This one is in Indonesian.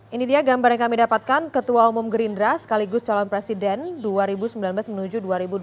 ini dia gambar yang kami dapatkan ketua umum gerindra sekaligus calon presiden dua ribu sembilan belas menuju dua ribu dua puluh